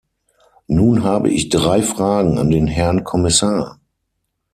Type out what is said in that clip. Nun habe ich drei Fragen an den Herrn Kommissar.